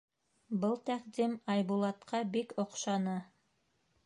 Был тәҡдим Айбулатҡа бик оҡшаны.